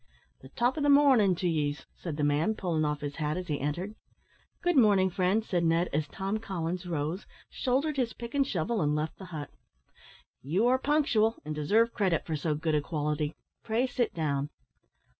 "The top o' the mornin' to yees," said the man, pulling off his hat as he entered. "Good morning, friend," said Ned, as Tom Collins rose, shouldered his pick and shovel, and left the hut. "You are punctual, and deserve credit for so good a quality. Pray, sit down."